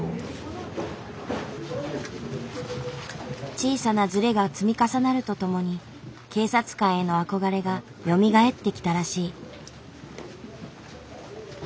小さなずれが積み重なるとともに警察官への憧れがよみがえってきたらしい。